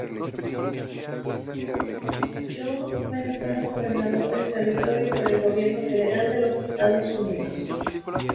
Young fue nombrado gobernador del territorio por el gobierno federal de los Estados Unidos.